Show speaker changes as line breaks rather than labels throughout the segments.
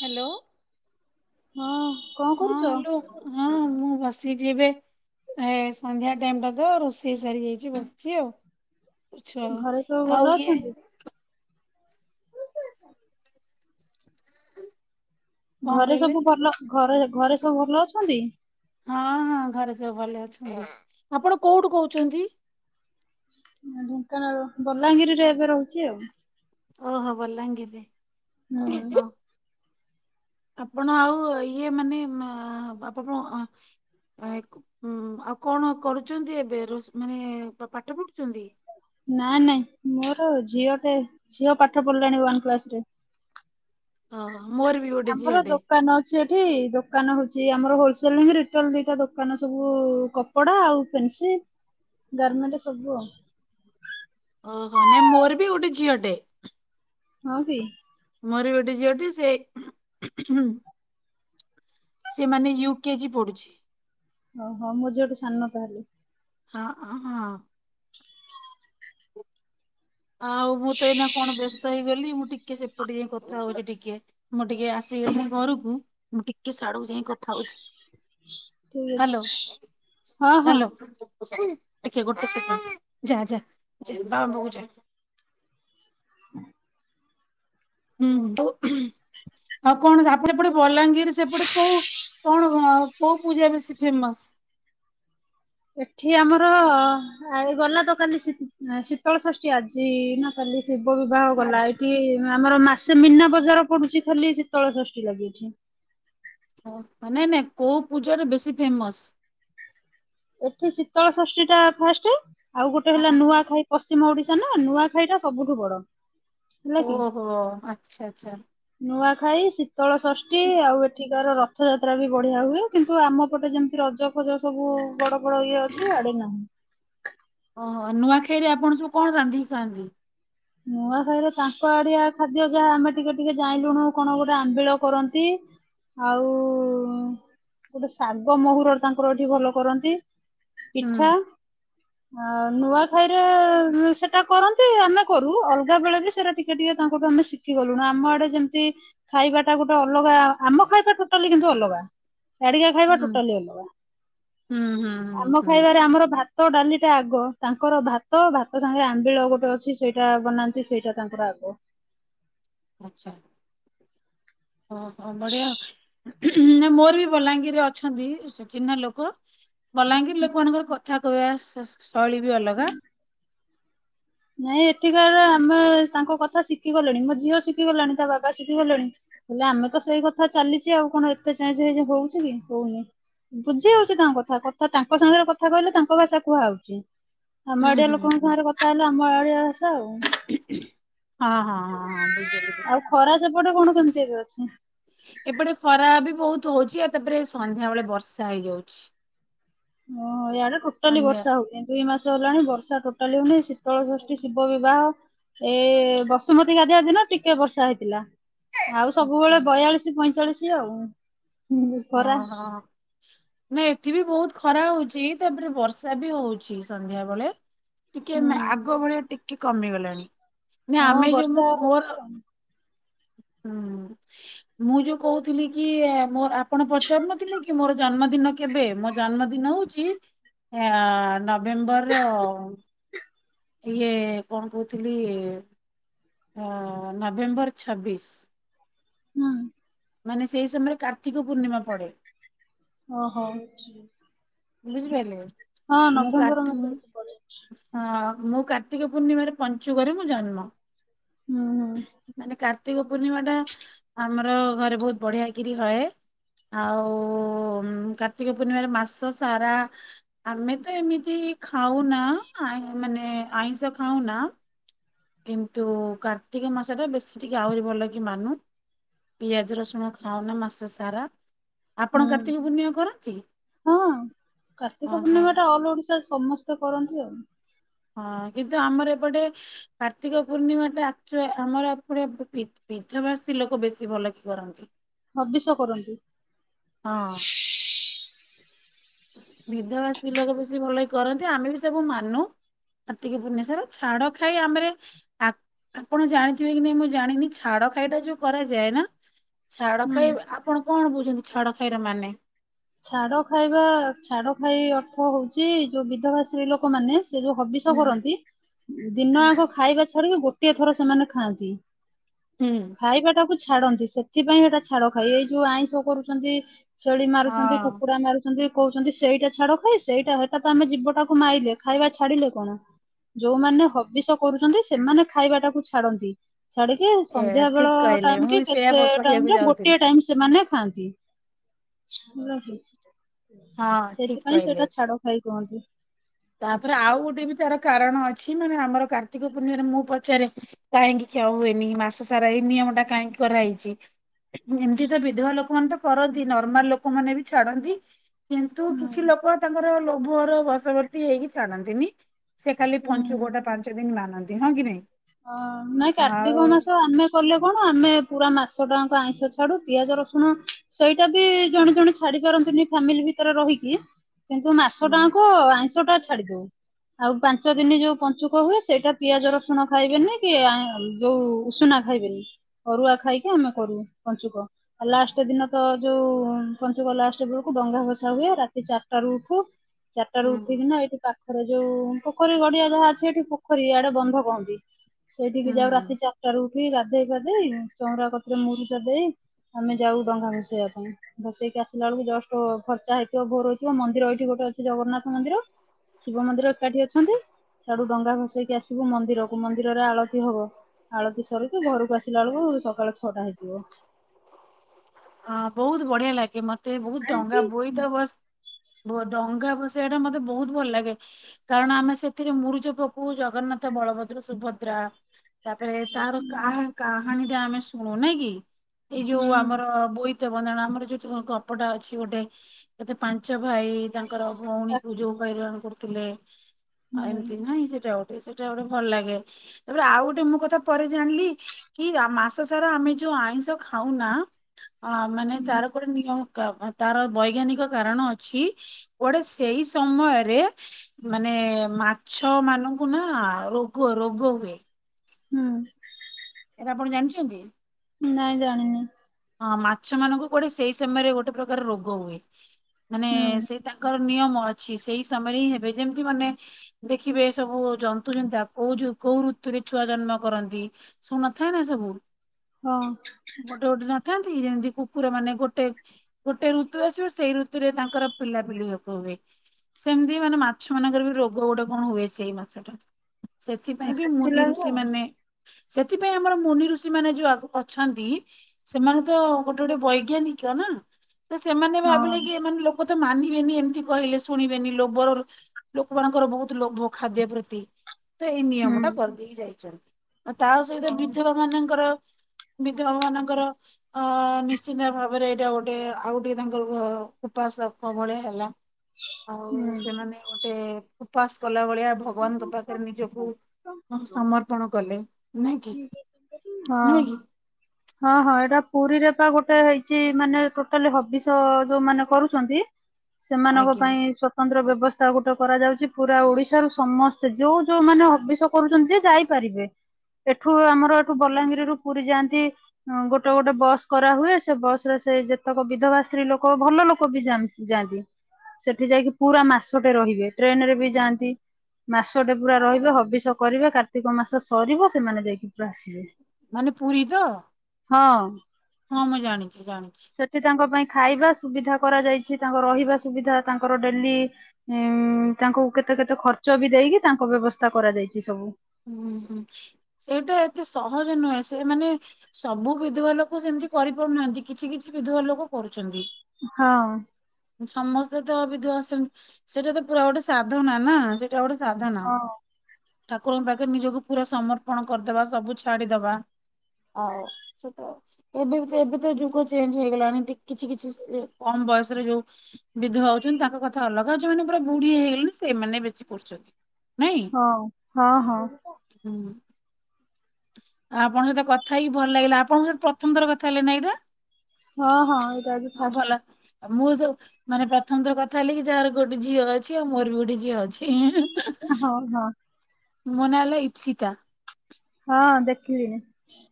Hello.
ହଁ କଣ
ହଁ
କରୁଛ?
ହାଲୋ ହଁ ମୁଁ ବସି ଯିବେ ଏ ସନ୍ଧ୍ୟା ଟାଇମଟା ତ ରୋଷେଇ ସାରିଯାଇଚି ବସିଚି ଆଉ। ଆଛା
ଘରେ ସବୁ
ଆଉ
ଭଲ
ଇଏ
ଅଛନ୍ତି?
କଣ
ଘରେ
କହିଲେ
ସବୁ ଭଲ ଘରେ ଘରେ ସବୁ ଭଲ ଅଛନ୍ତି?
ହଁ ହଁ ଘରେ ସବୁ ଭଲ ଅଛନ୍ତି ଆପଣ କୋଉଠୁ କୋହୁଚନ୍ତି?
ଢେଙ୍କାନାଳ ବଲାଙ୍ଗିରିରେ ଏବେ ରହୁଚି ଆଉ।
ଓହୋ ବଲାଙ୍ଗିରରେ।
ହୁଁ
ଓହୋ। ଆପଣ ଆଉ ଇଏ ମାନେ ମା ଆପ କଣ ଅ ଆଇକୁ ଉଁ ଆଉ କଣ କରୁଚନ୍ତି ଏବେ ରୋଷ୍ ମାନେ ପ-ପାଠ ପଢ
ନାଁ ନାଇଁ ମୋର ଝିଅ ଟେ ଝିଅ ପାଠପଢ଼ିଲାଣି ୱାନ କ୍ଲାସରେ।
ଓହୋ। ମୋର ବି ଗୋଟେ
ଆମର
ଝିଅଟେ
ଦୋକାନ ଅଛି ଏଠି ଦୋକାନ ହୋଉ ଚି ଆମର ହୋଲସେଲ ହିଁ ରିଟେଲ ଦିଟା ଦୋକାନ ସବୁ କପଡା ଆଉ ଫେନ୍ସି ଗାରମେଣ୍ଟେ ସବୁ ଆଉ।
ଓହୋ ନାଇଁ ମୋର ବି ଗୋଟେ ଝିଅଟେ।
ହଁକି।
ମୋର ବି ଗୋଟେ ଝିଅଟେ ସେ ସେ ମାନେ ୟୁକେଜି ପଢୁଚି।
ଓହୋ ମୋ ଝିଅଠୁ ସାନ ତାହେଲେ।
ହଁ ଅ ହଁ। ଆଉ ମୁଁ ତ ଏଇନା କଣ ବ୍ୟସ୍ତ ହେଇ ଗଲି ମୁଁ ଟିକେ ସେପଟେ ଯାଇଁ କଥା ହୋଉଚି ଟିକେ ମୁଁ ଟିକେ ଆସିଗଲି ଘରକୁ ମୁଁ ଟିକେ ସାଡକୁ ଯାଇଁ କଥା ହୋଉଚି।
ଠିକ
ହାଲୋ
ଅଛି ହଁ ହଁ।
ହାଲୋ ଟିକେ ଗୋଟେ ସେକେଣ୍ଡ ଯା ଯା ଯା ବାବାଙ୍କ ପାଖକୁ ଯା। ହୁଁ ହୁଁ ଆଉ କଣ ଆପଣ ଏପଟେ ବଲାଙ୍ଗୀ ଙ୍ଗିର ସେପଟେ କୋଉ କଣ ଆଁ କୋଉ ପୂଜା ବେଶୀ ଫେମସ।
ଏଠି ଆମର ଏ ଗଲା ତ କାଲି ସି ଶୀତଳ ଷଷ୍ଠୀ ଆଜି ନା କାଲି। ଶିବ ବିବାହ
ଆଜି
ଗଲା ଏଇଠି। ଆମର ମାସେ ମୀନା ବଜାର ପଡୁଛି ଖାଲି ଶୀତଳ ଷଷ୍ଠୀ ଲାଗିଛି।
ହ ମାନେ ନାଇ ନାଇ କୋଉ ପୂଜାର ବେଶୀ ଫେମସ।
ଏଠି ଶୀତଳ ଷଷ୍ଠୀ ଟା ଫାଷ୍ଟେ। ଆଉ ଗୋଟେ ହେଲା ନୂଆଖାଇ। ପଶ୍ଚିମ ଓଡିଶା ନା ନୂଆଖାଇ ଟା ସବୁଠୁ ବଡ। ହେଲା କି।
ଓହୋ ଆଚ୍ଛା ଆଚ୍ଛା।
ନୂଆଖାଇ ଶୀ ତଳ ଷଷ୍ଠୀ ଆଉ ଏଠିକାର ର ରଥଯାତ୍ରା ବି ବଢିଆ ହୁଏ କିନ୍ତୁ ଆମ ପଟେ ଯେମିତି ରଜ ଫଜ ସବୁ। ବଡ ବଡ ଇଏ ଅଛି ଆଡେ ନାହିଁ।
ଓହୋ ନୂଆଖାଇରେ ଆପଣ ସବୁ କଣ ରାନ୍ଧିକି ଖାଆନ୍ତି।
ନୂଆଖାଇରେ ତାଙ୍କ ଆଡିଆ ଖାଦ୍ୟ ଯାହା ଆମେ ଟିକେ ଟିକେ ଜାଇଲୁଣୁ କଣ ଗୋଟେ ଆମ୍ବିଳ କରନ୍ତି ଆଉ ଗୋଟେ ଶାଗ ମହୁର ତାଙ୍କର ଏଠି ଭଲ କରନ୍ତି।
ହୁଁ
ପିଠା। ଆଉ ନୂଆଖାଇରେ ସେଟା କରନ୍ତି ଆମେ କରୁ ଅଲଗା ବେଳେ ବି ସେଟା ଟିକେ ଟିକେ ତାଙ୍କଠୁ ଆମେ ଶିଖି ଗଲୁ ନା ଆମ ଆଡେ ଯେମିତି ଖାଇବା ଟା ଗୋଟେ ଅଲଗା ଆମ ଖାଇବା ଟୋଟାଲି କିନ୍ତୁ ଅଲଗା ସାଡିକା ଖାଇବା
ହୁଁ
ଟୋଟାଲି ଅଲଗା
ହୁଁ ହୁଁ ହୁଁ
ଆମ
ହୁଁ
ଖାଇବାରେ ଆମର ଭାତ ଭାତ ଡାଲିଟା ଆଗ ତାଙ୍କର ଭାତ ଭାତ ସାଙ୍ଗରେ ଆମ୍ବିଳ ଗୋଟେ ଅଛି ସେଇ ସେଟା ବନାନ୍ତି ସେଇଟା ତାଙ୍କର ଆଗ
ଆଚ୍ଛା ଓହୋ ବଢିଆ ମୋର ବି ବଲାଙ୍ଗୀରରେ ଅଛନ୍ତି ଚିହ୍ନା ଲୋକ ବଲାଙ୍ଗୀର ଲୋକମାନଙ୍କର କଥା କହିବା ଶୈଳୀ ବି ଅଲଗା
ନାଇଁ ଏଠିକାର ଆମେ ତାଙ୍କ କଥା ଶିଖି ଗଲେଣି ମୋ ଝିଅ ଶିଖିଗଲାଣି ତା ବାବା ଶିଖି ଗଲେଣି ହେଲେ ଆମେ ତ ସେଇ କଥା ଚାଲିଛି ଆଉ କଣ ଏତେ ଚେଞ୍ଜ୍ ହେଇ ହଉଛି କି ହଉନି ବୁଝି ହଉଛି ତାଙ୍କ କଥା କଥା ତାଙ୍କ ସାଙ୍ଗରେ କଥା କହିଲେ ତାଙ୍କ ଭାଷା କୁହାହଉଛି ଆମ
ହୁଁ
ଆଡିଆ
ହୁଁ ହୁଁ
ଲୋକଙ୍କ
ହଁ
ସାଙ୍ଗରେ କଥା ହେଲେ [unintelligible] ଆ ଆ
ହଁ ହଁ ହଁ ବୁଝିଲି
ଆଉ
ବୁଝିଲି।
ଖରା ସେପଟେ କଣ କେମିତି ଏବେ ଅଛି
ଏପଟେ ଖରା ବି ବହୁତ ହଉଛି ଆଉ ତାପରେ ସନ୍ଧ୍ୟା ବେଳେ ବର୍ଷା ହେଇଯାଉଛି
ଓହୋ ଆଡେ ଟୋଟାଲି
ସନ୍ଧ୍ୟା
ବର୍ଷା ହଉଛି ଦୁଇ ମାସ ହେଲାଣି ବର୍ଷା ଟୋଟାଲି ହଉନି ଶୀତଳ ଷଷ୍ଠୀ ଶିବ ବିବାହ ଏ ବସୁମତୀ ଗାଧିଆ ଦିନ ଟିକେ ବର୍ଷା ହେଇଥିଲା ଆଉ
ଆଚ୍ଛା
ସବୁବେଳେ ବୟାଳିଶ ପଇଁଚାଳିଶ କି ଆଉ ହୁଁ
ହଁ
ଖରା।
ହଁ ନା ଏଠି ବି ବହୁତ ଖରା ହଉଛି ତାପରେ ବର୍ଷା ବି ହଉଛି ସନ୍ଧ୍ୟା ବେଳେ ଟିକେ
ହୁଁ
ଆଗ ଭଳିଆ ଟିକେ କମିଗଲାଣି ନା
ହଁ
ଆମେ ଯୋଉ
ବର୍ଷା ହଉଛି
ମୋର
ଆଉ
ହୁଁ ମୁଁ ଯୋଉ କହୁଥିଲି କି ମୋ ଆପଣ ପଚାରୁନଥିଲେ କି ମୋର ଜନ୍ମଦିନ କେବେ ମୋ ଜନ୍ମଦିନ ହଉଛି ଆ ନଭେମ୍ବର ଇଏ କଣ କହୁଥିଲି ନଭେମ୍ବର ଛବିଶ
ହଁ,
ମାନେ ସେଇ ସମୟରେ କାର୍ତ୍ତିକ ପୂର୍ଣ୍ଣିମା ପଡେ।
ଓ ହୋ,
ବୁଝିପାଇଲେ?
ହଁ ନଭେମ୍ବର ମାସରେ [unintelligible]
ମୁଁ କାର୍ତ୍ତିକ ପୂର୍ଣ୍ଣିମାରେ ପଞ୍ଚୁକରେ ମୁଁ ଜନ୍ମ।
ହୁଁ ହୁଁ,
ମାନେ କାର୍ତ୍ତିକ ପୂର୍ଣ୍ଣିମା ଟା ଆମର ଘରେ ବହୁତ ବଢିଆକରି ହଏ ଆଉ କାର୍ତ୍ତିକ ପୂର୍ଣ୍ଣିମାରେ ମାସ ସାରା ଆମେ ତ ଏମିତି ଖାଉନା ମାନେ ଆଇଁଷ ଖାଉ ନା କିନ୍ତୁ କାର୍ତ୍ତିକ ମାସ ଟା ବେଶୀ ଟିକେ ଆହୁରି ଭଲ କି ମାନୁ ପିଆଜ ରସୁଣ ଖାାଉନା ମାସ ସାରା ଆପଣ
ହୁଁ
କାର୍ତ୍ତିକ ପୂର୍ଣ୍ଣିମା କରନ୍ତି
ହଁ। କାର୍ତ୍ତିକ
ଓହୋ
ପୂର୍ଣ୍ଣିମା ଟା ଅଲ ଓଡିଶାରେ ସମସ୍ତେ କରନ୍ତି ଆଉ
ହଁ କିନ୍ତୁ ଆମର ଏପଟେ କାର୍ତ୍ତିକ ପୂର୍ଣ୍ଣିମା ଟା ଆମର ଆପଟେ ବିଧବା ସ୍ତ୍ରୀ ଲୋକ ବେଶୀ ଭଲ କି କରନ୍ତି।
ହବିଷ କରନ୍ତୁ।
ହଁ, ବିଧବା ସ୍ତ୍ରୀ ଲୋକ ବେଶି ଭଲକି କରନ୍ତି ଆମେବି ସବୁ ମାନୁ କାର୍ତ୍ତିକ ପୂର୍ଣ୍ଣିମା ସେରା ଛାଡଖାଇ ଆମର ଏଇ ଆପଣ ଜାଣିଥିବେକି ନାଇଁ ମୁଁ ଜାଣିନି ଛାଡଖାଇ ଟା ଜଉ କରାଯାଏନା ଛାଡ ଖାଇ
ହୁଁ।
ଆପଣ କଣ ବୁଝନ୍ତି ଛାଡ ଖାଇର ମାନେ।
ଛାଡ ଖାଇବା ଛାଡ ଖାଇ ଅର୍ଥ ହଉଛି ଯୋଉ ବିଧବା ସ୍ତ୍ରୀ ଲୋକମାନେ ସେ ଯୋଉ ହବିଷ
ହୁଁ
କରନ୍ତି ଦିନ
ହୁଁ।
ଆଗ ଖାଇବା ଛାଡିକି ଗୋଟେ ଗୋଟିଏ ଥର ସେମାନେ ଖାଆନ୍ତି।
ହୁଁ
ଖାଇବା ଟାକୁ ଛାଡନ୍ତି ସେଥିପାଇଁ ଏଟା ଛାଡ ଖାଇ ଏଇ ଯୋଉ ଆଇଁଷ କରୁଛନ୍ତି ଛେଳି ଛନ୍ତି
ହଁ
କୁକୁଡ଼ା ମାରୁଛନ୍ତି କହୁଛନ୍ତି ସେଇଟା ଛାଡ ଖାଇ ସେଇଟା ସେଟା ତ ଆମେ ଜୀବଟାକୁ ମାରଲେେ ଖାଇବା ଛାଡିଲେ କଣ ଯୋଉମାନେ ହବିଷ କରୁଛନ୍ତି ସେମାନେ ଖାଇବାଟାକୁ ଛାଡନ୍ତି ଛାଡିକି
ଏ
ସନ୍ଧ୍ୟା ବେଳ
ଠିକ କହିଲେ
ଟାଇମ
ମୁଁ
କି
ବି ସେଇଆ
କେତେ
କହିବାକୁ
ଟାଇମରେ ଗୋଟେ
ଯାଉଥିଲି।
ଟାଇମ ସେମାନେ ହଁ କି, ଭଲ ହେଇଛି।
ହଁ ଠିକ
ସେଥିପାଇଁ
କହିଲେ।
ସେଟା ଛାଡ ଖାଇ। ହିଁକି
ତାପରେ ଆଉ ଗୋଟେ ବି ତାର କାରଣ ଅଛି ମାନେ ଆମର କାର୍ତ୍ତିକ ପୂର୍ଣ୍ଣିମରେ ମୁଁ ପଚାରେ କାହିଁକି ଖୀୟା ହୁଏନି ମାସ ସାରା ଏଇ ନିୟମ ଟା କାହିଁକି କରାହେଇଛି ଏମିତି ତ ବିଧବା ଲୋକମାନେତ କରନ୍ତି ନର୍ମାଲ ଲୋକ ମାନେବି ଛାଡନ୍ତି। କିନ୍ତୁ କିଛି
ହୁଁ।
ଲୋକ ତାଙ୍କର ଲୋ ଭର ବର୍ଷବ ହେଇକି ଚାଲନ୍ତିନି ସେ ଖାଲି ପଞ୍ଚୁକଟା ପାଞ୍ଚ ଦିନ ମା ନ୍ତି ହଁ କି ନାଇଁ [unintelligible]
ଅଁ ନାଇଁ କାର୍ତ୍ତିକ
ଆଉ
ମାସ ଆମେ କଲେ କଣ ଆମେ ପୁରା ମାସ ଟା ଆଇଁଷ ଛାଡୁ ପିଆଜ ରସୁଣ ସେଇଟା ବି ଜଣେ ଜଣେ ଛାଡି ପାରନ୍ତିନି ଫ୍ୟାମିଲି ଭିତରେ ରହିକି କିନ୍ତୁ ମାସଟା
ହୁଁ
ଯାଙ୍କ ଆଁଇଁସଟା ଛା ଛାଡିଦଉ ଆଉ ପାଞ୍ଚ ଦିନି ଯୋଉ ପଞ୍ଚୁକ ହୁଏ ସେଇଟା ପିଆଜ ରସୁଣ ଖାଇବେନି କି ଯୋଉ ଉଷୁନା ଖାଇବେନି ଅରୁଆ ଖାଇକି ଆମେ କରୁ ପଞ୍ଚୁକ ଆ ଲାଷ୍ଟ ଦିନ ତ ଯୋଉ ପଞ୍ଚୁକ ଲାଷ୍ଟ ବେଳକୁ ଡଙ୍ଗା ଭସା ହୁଏ ରାତି ଚାରିଟା ରୁ ଉଠୁ ଚାରିଟା ରୁ
ହୁଁ
ଉଠିକି ନା ଏଇଠି ପା ତାରେ ଯୋଉ ପୋଖରୀ ଗଡିଆ ଯାହା ଅଛି ଏଠି ପୋଖରୀ ଇଆଡେ ବନ୍ଧ କୁହନ୍ତି
ହୁଁ
ସେଇଠିକି ଯାଉ ରାତି ଚାରିଟାରୁ ଠି ଗାଧେଇ ପାଧେଇ ଚଉରା କଥରେ ମୁରୁଜ ଦେଇ ଆମେ ଯାଉ ଡଙ୍ଗା ଭସେଇବା ପାଇଁ ଭସେଇକି ଆସିଲା ବେଳକୁ ଜଷ୍ଟ ଫର୍ଚା ହେଇଥିବ ଭୋର ହେଇଥିବ ମନ୍ଦିର ଏଇଠି ଗୋଟେ ଅଛି ଜଗନ୍ନାଥ ମନ୍ଦିର ଶିବ ମନ୍ଦିର ଏକାଠି ଅଛନ୍ତି ସେଆଡୁ ଡଙ୍ଗା ଭସେଇକି ଆସିବୁ ମନ୍ଦିର ମନ୍ଦିରରେ ଆଳତି ହବ ଆଳତି ସରିକି ଘରକୁ ଆସିଲା ବେଳକୁ ସକାଳ ଛଅଟା ହେଇଯିବ
ହଁ ବହୁତ୍ ବଢିଆ ଲାଗେ ମ ସେ ବହୁତ ଡଙ୍ଗା ବୋଇତ ବସ ଡଙ୍ଗା ବସେଇବା ଟା ମତେ ବହୁତ ଭଲ ଲାଗେ କାରଣ ଆମେ ସେଥିରେ ମୁରୁଜ ପକୋଉ ଜଗନ୍ନାଥ ବଳଭଦ୍ର ସୁଭଦ୍ରା ତାପରେ ତାର କାହା କାହାଣୀ ଟା ଆମେ ଶୁଣୁ ନାଁ କି ଏଇ ଯୋଉ ଆମର ବ ଆମର ଯୋଉ ଗପଟା ଅଛି ଗୋଟେ କେତେ ପାଞ୍ଚ ପାଞ୍ଚ ତାଙ୍କର ଭଉଣୀକୁ ଯୋଉ ହଇରାଣ କରୁଥିଲେ ତୁଲେ
ହୁଁ
ଆଉ ଏମିତି ନାଇଁ ସେଟା ଆଉ ସେଟା ଗୋଟେ ଭଲ ଲାଗେ ତାପରେ ଆଉ ଗୋଟେ ମୁଁ କଥା ପରେ ଜାଣିଲି କି ମାସ ସାରା ଆମେ ଯୋଉ ଆଇଁଷ ଖାଉନା ଅ ମାନେ ତାର ଗୋଟେ ନିୟମ ତାର ବୈଜ୍ଞାନିକ କାରଣ ଅଛି ଗୋଟେ ସେଇ ସମୟରେ ମାନେ ମାଛ ମାନଙ୍କୁ ନା ରୋଗ ରୋଗ ହୁଏ
ହଁ
ଏଇଟା ଆପଣ ଜାଣିଛନ୍ତି
ନାଇଁ ଜାଣିନି
ହଁ ମାଛ ମାନଙ୍କୁ କୁଆଡେ ସେଇ ସମୟରେ ଗୋଟେ ପ୍ରକାର ରୋଗ ହୁଏ ମାନେ
ହୁଁ
ସେଇ ତାଙ୍କର ନିୟମ ଅଛି ସେଇ ସମୟରେ ହିଁ ହେବେ ଯେମିତି ମାନେ ଦେଖିବେ ସବୁ ଜନ୍ତୁ ଜିନ୍ତା କୋଉ କୋଉ ଋତୁରେ ଛୁଆ ଜନ୍ମ କରନ୍ତି ସବୁ ନଥାଏ ନା ସବୁ
ହଁ
ଗୋଟେ ଗୋଟେ ଦିନ ଥାନ୍ତି ଯେମତି କୁକୁର ମାନେ ଗୋଟେ ଗୋଟେ ଋତୁ ଆସିବ ସେଇ ଋତୁରେ ତାଙ୍କର ପିଲାପିଲି ହକ ହୁଏ ସେମିତି ମାନେ ମାଛ ମାନଙ୍କର ବି ରୋଗ ଗୋଟେ କଣ ହୁଏ ସେଇ ମାସଟା ସେଥିପାଇଁ ବି ମୁନି
ସେଥିଲାଗି
ଋଷି
ଆଉ
ମାନେ ସେଥିପାଇଁ ଆମର ମୁନି ଋଷି ମାନେ ଯୋଉ ଅଛନ୍ତି ସେମାନେ ତ ଗୋଟେ ଗୋଟେ ବୈଜ୍ଞାନିକ ନା ତ ସେମାନେ
ହଁ
ଭାବିଲେ କି ଏମାନେ ଲୋକ ତ ମାନିବେନି ଏମିତି କହିଲେ ଶୁଣିବେନି ଲୋଭର ଲୋକ ମାନଙ୍କର ବହୁତ ଲୋଭ ଖାଦ୍ୟ ପ୍ରତି। ତ ଏଇ ନିୟମ ଟା କରିଦେଇକି ଯାଇଛନ୍ତି। ଆ ତା
ହୁଁ
ସହିତ
ହଁ
ବିଧବା ମାନଙ୍କର ବିଧବା ମାନଙ୍କର ଅ ନିଶ୍ଚିନ୍ତ ଭାବରେ ଏଇଟା ଗୋଟେ ଆଉ ଟିକେ ତାଙ୍କର ଉପାସକ ବ ଭଳିଆ ହେଲା। ଆଉ
ହୁଁ
ସେମାନେ ଗୋ ଟେ ଉପାସ କଲାବେଳେ ଏହା ଭଗବାନଙ୍କ ପାଖରେ ନିଜକୁ ତାଙ୍କୁ ସମର୍ପଣ କଲେ ନୁହେଁ କି?
ହଁ ହଁ ହଁ ଏଇଟା ପୁରୀରେ ପା ଗୋଟେ ହେଇଛି ମାନେ ଟୋଟାଲି ହବିଷ ଯୋଉ ମାନେ କରୁଛନ୍ତି ସେମାନଙ୍କ
ଆଜ୍ଞା
ପାଇଁ ସ୍ଵତନ୍ତ୍ର ବ୍ୟବ ବ୍ୟବସ୍ଥା ଗୋଟେ କରାଯାଉଛି ପୁରା ଓଡିଶା ରୁ ସମସ୍ତେ ଯୋଉ ଯୋଉ ମାନେ ହବିଷ କରୁଛନ୍ତି ଯେ ଯାଇପାରିବେ ଏଠୁ ଆମର ବଲାଙ୍ଗିରରୁୁ ପୁରୀ ଯାଆନ୍ତି ଗୋଟେ ଗୋଟେ ବସ୍ କରାହୁଏ ସେ ବସରେ ସେ ଯେତେକ ବିଧବା ସ୍ତ୍ରୀ ଲୋକ ଭଲ ଲୋକ ବି ଯାଆନ୍ତି ଯାଆନ୍ତି। ସେଠି ଯାଇକି ପୁରା ମାସଟେ ରହିବେ ଟ୍ରେନ ରେ ବି ଯାଆନ୍ତି ମାସଟେ ପୁରା ରହିବେ ହବିଷ କରିବେ କାର୍ତ୍ତିକ ମାସ ସରିବ ସେମାନେ ଯାଇକି ପୁରା ଆସିବେ। ହୁଁ।
ମାନେ ପୁରୀ ତ? ହଁ ମୁଁ ଜାଣି
ସେଠି ତାଙ୍କ ପାଇଁ ଖାଇବା ସୁବିଧା କରାଯାଇଛି। ତାଙ୍କ ରହିବା ସୁବିଧା ତାଙ୍କର ଡେଲି ଉ ତାଙ୍କୁ କେତେ କେତେ ଖର୍ଚ୍ଚ ବି ଦେଇକି ତାଙ୍କ ବ୍ୟବସ୍ଥା କରାଯାଇଛି ସବୁ।
ହୁଁ ହୁଁ ସେଇଟା ଏତେ ସହଜ ନୁହେଁ ସେଇ ମାନେ ସବୁ ବିଧବା ଲୋକ ସେମତି କରିପାରୁନାହାଁନ୍ତି କିଛି କିଛି ବିଧବା ଲୋକ କରୁଛନ୍ତି।
ହଁ।
ସମସ୍ତେ ତ ବିଧବା ଆସିଛନ୍ତି ସେଇଟା ତ ପୁରା ଗୋଟେ ସାଧନା ନା ସେ ସେଇଟା ଗୋଟେ ସାଧନା।
ହଁ
ଠାକୁରଙ୍କ ପାଖରେ ନିଜକୁ ପୁରା ସମର୍ପଣ କରି ଦେବା ସବୁ ଛାଡ଼ି ଦବା। ଆଉ ସହିତ ଏବେବି ଚେ ଏବେ ତ ଯୁଗ ଚେଞ୍ଜ ହେଇଗଲାଣି ଟିକେ କିଛି କିଛି କମ୍ ବୟସରେ ଯୋଉ- ବିଧବା ହଉଛନ୍ତି ତାଙ୍କ କଥା ଅଲଗା ଯୋଉମାନେ ପୁରା ବୁଢୀ ହେଇଗଲେଣି ସେଇମାନେ ବେଶୀ କରୁଚନ୍ତି। ନାହିଁ।
ହଁ ହଁ ହଁ।
ହୁଁ। ଆଉ ଆପଣଙ୍କ ସହିତ କଥା ହେଇକି ଭଲ ଲାଗିଲା ଆପଣଙ୍କ ସହିତ ପ୍ରଥମ ଥର କଥା ହେଲେ ନାଁ ଏଇଟା।
ହଁ ହଁ ଏଇଟା ଆଜି ଫାଷ୍ଟ।
ଆଉ ମୁଁ ସବୁ ମାନେ ପ୍ରଥମ ଥର କଥା ହେଲି କି ଯାହାର ଗୋଟେ ଝିଅ ଅଛି ଆଉ ମୋର ବି ଗୋଟେ ଝିଅ ଅଛି।
ହଉ ହଉ।
ମୋ ନାଁ ହେଲା ଇପ୍ସିତା।
ହଁ ଦେଖିଲିଣି।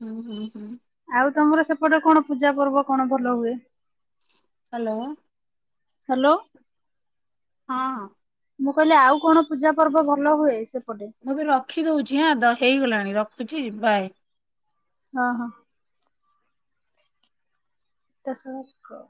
ହୁଁ ହୁଁ ହୁଁ।
ଆଉ ତମର ସେପଟେ କଣ ପୂଜା ପର୍ବ କଣ ଭଲ ହୁଏ?
ହ୍ୟାଲୋ।
ହ୍ୟାଲୋ।
ହଁ ହଁ।
ମୁଁ କହିଲି ଆଉ କଣ ପୂଜା ପର୍ବ ଭଲ ହୁଏ ସେ
ମୁଁ ଏବେ ରଖିଦଉଛି ହଁ ତ ହେଇଗଲାଣି। ରଖୁଛି ବାଏ।
ହଁ ହଁ। ତା ସହ କ